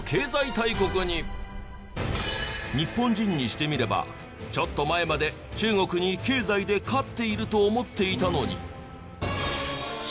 日本人にしてみればちょっと前まで中国に経済で勝っていると思っていたのに。